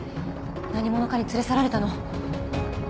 何者かに連れ去られたの。